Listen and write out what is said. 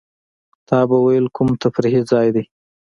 تا به وېل کوم تفریحي ځای دی.